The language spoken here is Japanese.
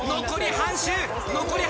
残り半周。